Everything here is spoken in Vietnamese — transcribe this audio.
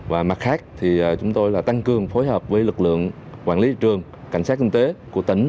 và mặt khác thì chúng tôi là tăng cường phối hợp với lực lượng quản lý thị trường cảnh sát kinh tế của tỉnh